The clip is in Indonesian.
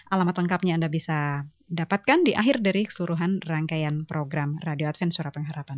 alamat lengkapnya anda bisa dapatkan di akhir dari keseluruhan rangkaian program radio adven surabaya